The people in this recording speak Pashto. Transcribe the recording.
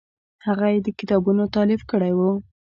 هغه یې د کتابونو تالیف کړی و.